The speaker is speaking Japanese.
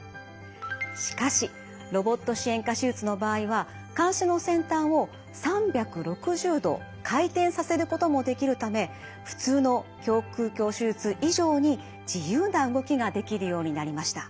しかしロボット支援下手術の場合は鉗子の先端を３６０度回転させることもできるため普通の胸腔鏡手術以上に自由な動きができるようになりました。